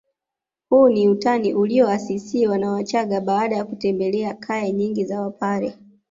Huu ni utani ulioasisiwa na wachagga baada ya kutembelea kaya nyingi za wapare